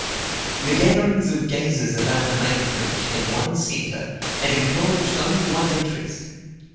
The gatherings of gazers about a mail coach had one centre, and acknowledged only one interest.